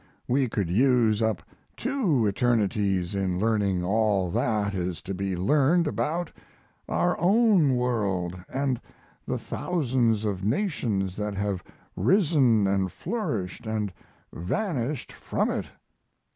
We could use up two eternities in learning all that is to be learned about our own world, and the thousands of nations that have risen, and flourished, and vanished from it.